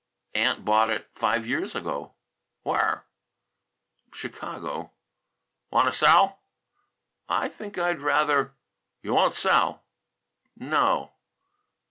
"Aunt bought it five years ago." "Where?" "Chicago." "Want to sell?" "I think I'd rather " "You won't sell?" "No!"